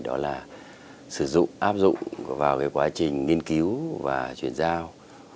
đó là sử dụng áp dụng vào cái quá trình nghiên cứu và truyền giao